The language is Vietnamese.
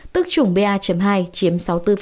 tức chủng ba hai chiếm sáu mươi bốn